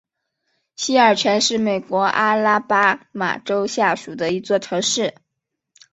西尔泉是美国阿拉巴马州下属的一座城市。